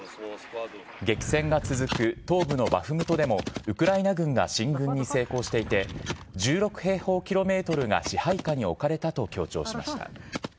激戦が続く東部のバフムトでもウクライナ軍が進軍に成功していて、１６平方キロメートルが支配下に置かれたと強調しました。